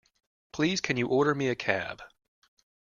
Please can you order me a cab?